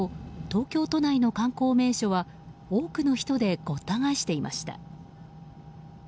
東京都内の観光名所は多くの人でごった返していました。